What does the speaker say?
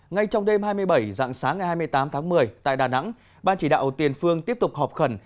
ngay trong đêm hai mươi bảy dạng sáng ngày hai mươi tám tháng một mươi tại đà nẵng ban chỉ đạo tiền phương tiếp tục họp khẩn